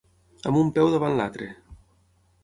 Amb un peu davant l'altre.